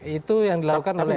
itu yang dilakukan oleh